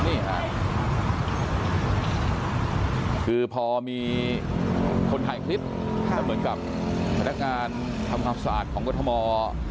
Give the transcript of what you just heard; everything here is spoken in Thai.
นี่ค่ะคือพอมีคนถ่ายคลิปแล้วเหมือนกับพนักงานทำความสะอาดของกรทม